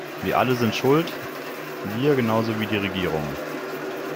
Wir alle sind Schuld, wir genauso wie die Regierungen.